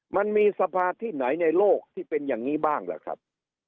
มันมีสภาที่ไหนในโลกที่เป็นอย่างนี้บ้างล่ะครับ